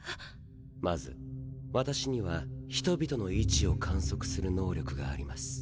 まず私には人々の位置を観測する能力があります。